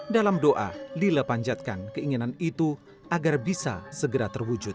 dalam doa lila panjatkan keinginan itu agar bisa segera terwujud